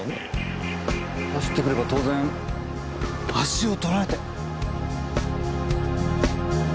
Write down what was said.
走ってくれば当然足をとられて。